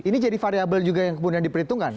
ini jadi variable juga yang kemudian diperhitungkan